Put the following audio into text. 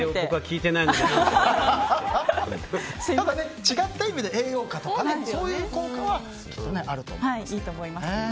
ただ違った意味で栄養価とかそういう効果はあると。